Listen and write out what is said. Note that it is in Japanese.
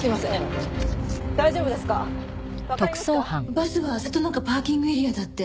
バスは里中パーキングエリアだって。